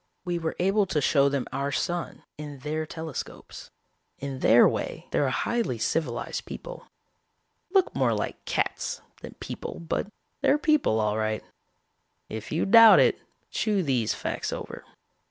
We were able to show them our sun, in their telescopes. In their way, they're a highly civilized people. Look more like cats than people, but they're people all right. If you doubt it, chew these facts over.